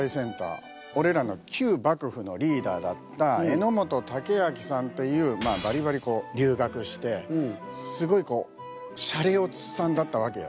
俺らの旧幕府のリーダーだった榎本武揚さんというバリバリこう留学してすごいこうシャレオツさんだったわけよ。